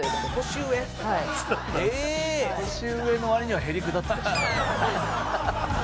年上の割にはへりくだってたしね。